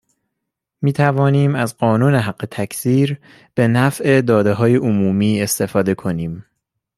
میتوانیم از قانون حق تکثیر به نفع دادههای عمومی استفاده کنیم